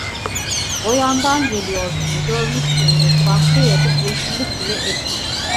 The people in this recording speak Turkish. O yandan geliyorsun, görmüşsündür: Bahçe yapıp yeşillik bile ektik.